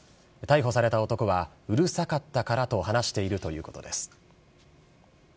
逮捕された男は、うるさかったからと話しているということです。